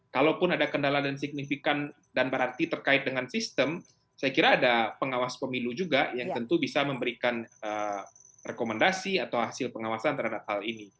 kalaupun ada kendala dan signifikan dan berarti terkait dengan sistem saya kira ada pengawas pemilu juga yang tentu bisa memberikan rekomendasi atau hasil pengawasan terhadap hal ini